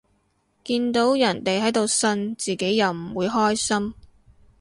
見到人哋喺度呻，自己又唔會開心